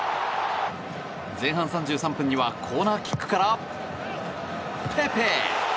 前半３３分にはコーナーキックからペペ！